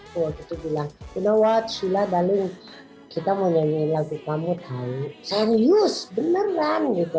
dan aku tuh bilang you know what shilla darling kita mau nyanyiin lagu kamu serius beneran gitu